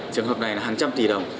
trường hợp này là hàng trăm tỷ đồng